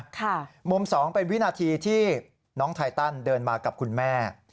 มุมสองเป็นวินาทีที่น้องไทตันเดินมากับคุณแม่